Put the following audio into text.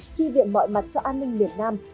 tri viện mọi mặt cho an ninh miền nam